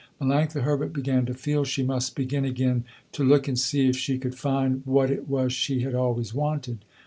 Melanctha Herbert began to feel she must begin again to look and see if she could find what it was she had always wanted.